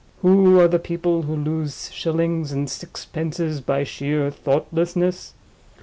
Who are the people who lose shillings and sixpences by sheer thoughtlessness?